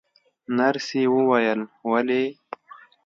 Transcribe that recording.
نرسې وویل: ولې؟